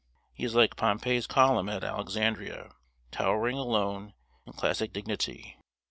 He is like Pompey's column at Alexandria, towering alone in classic dignity.